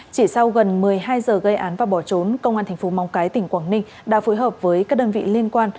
chỉ sau gần một mươi hai giờ gây án và bỏ trốn công an tp mong cái tỉnh quảng ninh đã phối hợp với các đơn vị liên quan